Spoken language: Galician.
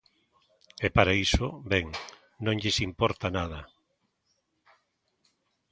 E para iso, ben, non lles importa nada.